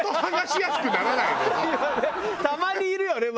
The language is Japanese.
たまにいるよね。